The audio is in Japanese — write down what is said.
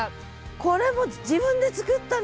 これも自分で作ったの！？